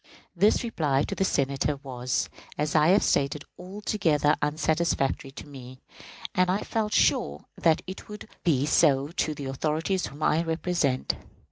This reply to the Senators was, as I have stated, altogether unsatisfactory to me, and I felt sure that it would be so to the authorities whom I represented.